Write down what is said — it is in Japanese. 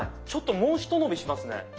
ちょっともうひと伸びしますね。